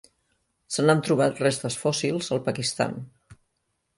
Se n'han trobat restes fòssils al Pakistan.